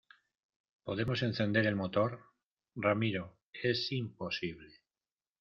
podemos encender el motor. ramiro, es imposible .